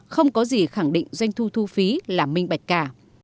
không có gì khẳng định doanh thu thu phí là minh bạch cả